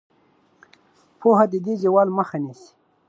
پوهه د دې زوال مخه نیسي.